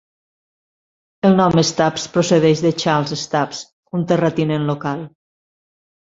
El nom Stubbs procedeix de Charles Stubbs, un terratinent local.